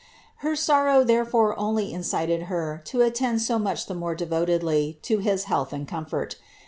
Her sorrow therefore only in cited Her to attend so much the more devotedly to his health and comfort.